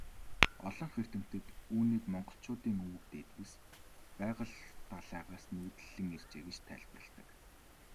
Олонх эрдэмтэд үүнийг монголчуудын өвөг дээдэс Байгал далайгаас нүүдэллэн иржээ гэж тайлбарладаг.